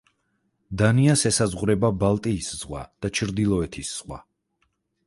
დანიას ესაზღვრება ბალტიის ზღვა და ჩრდილოეთის ზღვა.